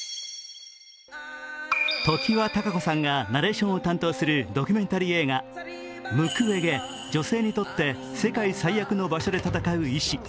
常盤貴子さんがナレーションを担当するドキュメンタリー映画「ムクウェゲ女性にとって世界最悪の場所で闘う医師」。